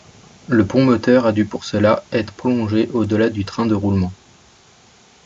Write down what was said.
Le pont moteur a dû pour cela être prolongé au-delà du train de roulement.